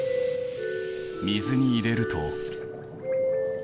水に入れると。